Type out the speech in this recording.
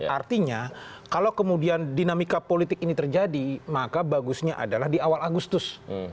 artinya kalau kemudian dinamika politik ini terjadi maka bagusnya adalah di awal agustus